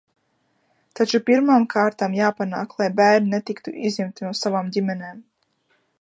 Taču pirmām kārtām jāpanāk, lai bērni netiktu izņemti no savām ģimenēm.